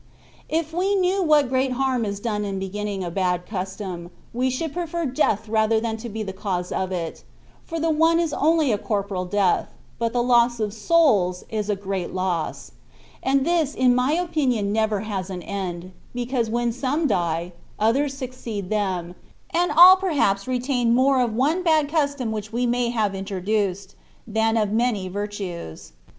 If we knew what great harm is done in begin ning a bad custom, we should prefer death rather than be the cause of it; for the one is only a corporal death, but the loss of souls is a great loss ; and this in my opinion never has an end, because when some die, others succeed them, and all perhaps retain more of one bad custom which we may have introduced, than of many virtues.